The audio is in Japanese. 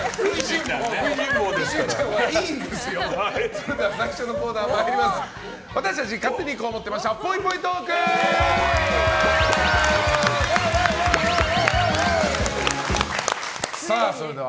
それでは最初のコーナーです。